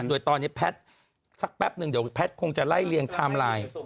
โดยตอนนี้แพทย์สักแป๊บนึงเดี๋ยวแพทย์คงจะไล่เรียงไทม์ไลน์